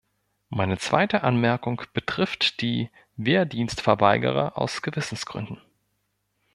Meine zweite Anmerkung betrifft die Wehrdienstverweigerer aus Gewissensgründen.